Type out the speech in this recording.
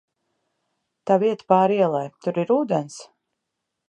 Tā vieta pāri ielai, tur ir ūdens?